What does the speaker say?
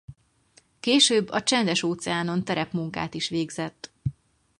Később a Csendes-óceánon terepmunkát is végzett.